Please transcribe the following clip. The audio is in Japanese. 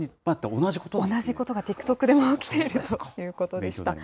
同じことがＴｉｋＴｏｋでも起きているということでした。